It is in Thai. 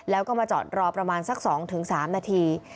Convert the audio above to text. แล้วก็มาจอดรอประมาณสัก๒๓นาที